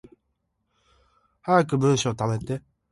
早く文章溜めて